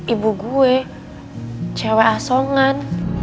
ibu gue cewek asongan